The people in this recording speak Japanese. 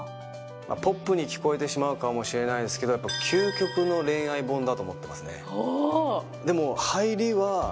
ポップに聞こえてしまうかもしれないんですけどやっぱだと思ってますね